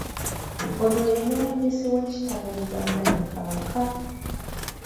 Ono ye muwandiisi w’ekitabo Buganda ne Kabaka?